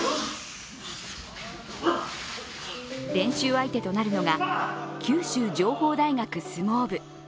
練習相手となるのが九州情報大学相撲部。